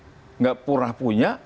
tidak pernah punya